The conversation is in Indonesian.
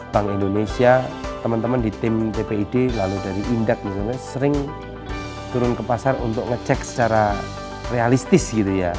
bank indonesia teman teman di tim ppid lalu dari indek misalnya sering turun ke pasar untuk ngecek secara realistis gitu ya